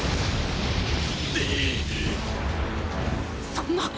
そんな！！